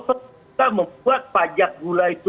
kita membuat pajak gula itu